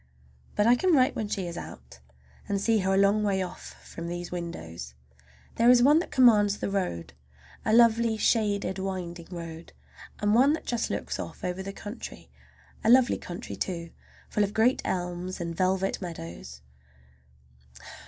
But I can write when she is out, and see her a long way off from these windows. There is one that commands the road, a lovely, shaded, winding road, and one that just looks off over the country. A lovely country, too, full of great elms and velvet meadows.